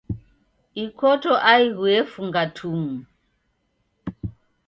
Ikoto aighu yefunga tumu.